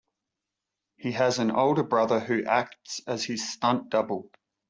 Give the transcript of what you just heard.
He has an older brother who acts as his stunt double.